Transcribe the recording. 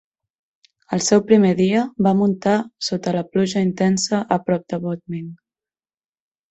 El seu primer dia, va muntar sota la pluja intensa a prop de Bodmin.